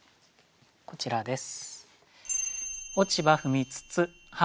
こちらです。